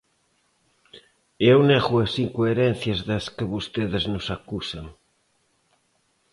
E eu nego as incoherencias das que vostedes nos acusan.